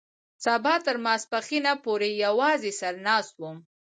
سبا تر ماسپښينه پورې يوازې سر ناست وم.